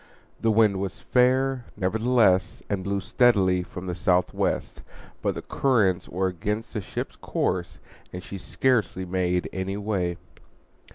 The wind was fair, nevertheless, and blew steadily from the southwest; but the currents were against the ship's course, and she scarcely made any way.